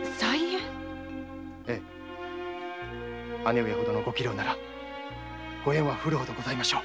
姉上ほどのご器量ならご縁は降るほどございましょう。